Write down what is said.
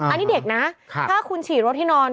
อันนี้เด็กนะถ้าคุณฉี่รถให้นอน